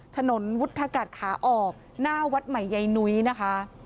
ถนนวุฒกัดขาออกหน้าวัดใหม่ใยนุ้ยนะคะ